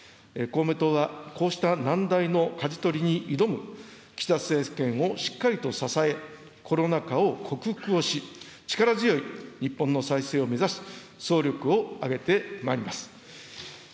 公明党はこうした難題のかじ取りに挑む岸田政権をしっかりと支え、コロナ禍を克服をし、力強い日本の再生を目指し勢力を挙げてまいります。